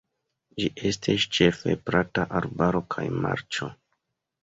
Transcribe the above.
Ĝi estis ĉefe plata arbaro kaj marĉo.